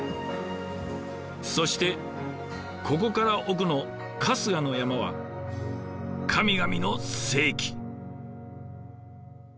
そしてここから奥の春日の山は神々の聖域。